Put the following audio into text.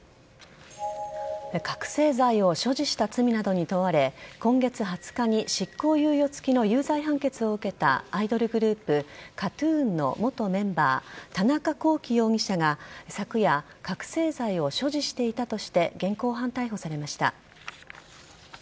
覚醒剤を所持した罪などに問われ今月２０日に執行猶予付きの有罪判決を受けたアイドルグループＫＡＴ‐ＴＵＮの元メンバー田中聖容疑者が昨夜覚醒剤を所持していたとして現行犯逮捕されました。